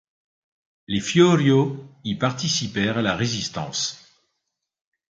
Les Fiorio y participèrent à la Résistance.